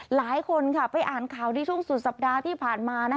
หลายคนไปอ่านข่าวในช่วงสุดสัปดาห์ที่ผ่านมา